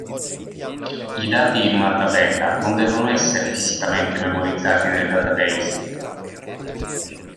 I dati in una tabella non devono essere fisicamente memorizzati nel database.